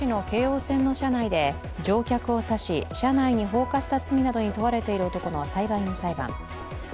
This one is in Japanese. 東京・調布市の京王線の車内で乗客を刺し、車内に放火した罪などに問われている裁判員裁判。